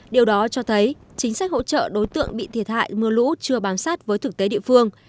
điều đó cho thấy chính sách hỗ trợ đối tượng bị thiệt hại mưa lũ chưa bám sát với thực tế địa phương